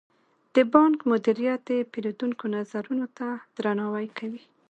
د بانک مدیریت د پیرودونکو نظرونو ته درناوی کوي.